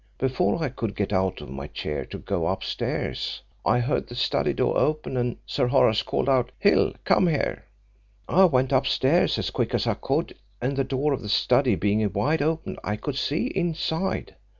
Before I could get out of my chair to go upstairs I heard the study door open, and Sir Horace called out, 'Hill, come here!' "I went upstairs as quick as I could, and the door of the study being wide open, I could see inside.